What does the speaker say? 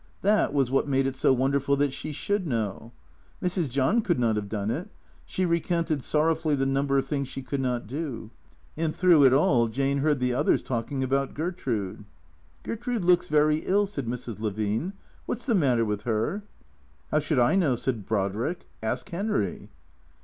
That was what made it so wonderful that she should know. Mrs. John could not have done it. She recounted sorrowfully the number of things she could not do. And through it all Jane heard the others talking about Gertrude. " Gertrude looks very ill," said Mrs. Levine. " What 's the matter with her ?"" How should I know ?" said Brodrick. " Ask Henry."